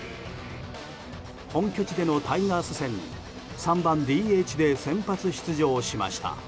本拠地でのタイガース戦に３番ＤＨで先発出場しました。